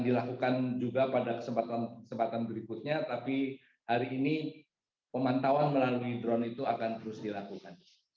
dilakukan saya kira demikian